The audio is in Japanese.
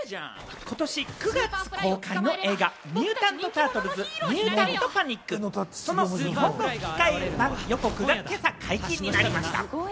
ことし９月公開の映画『ミュータント・タートルズ：ミュータント・パニック！』のその日本語吹き替え版予告が今朝解禁になりました。